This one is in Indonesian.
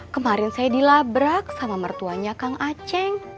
kemarin saya dilabrak sama mertuanya kang aceh